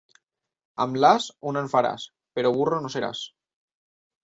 Amb l'as una en faràs, però burro no seràs.